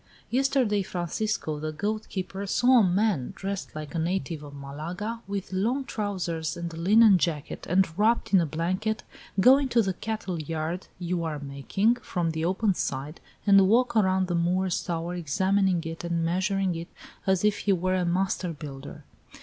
Yesterday, Francisco, the goat keeper, saw a man dressed like a native of Malaga, with long trousers and a linen jacket, and wrapped in a blanket, go into the cattle yard you are making, from the open side, and walk around the Moor's Tower, examining it and measuring it, as if he were a master builder.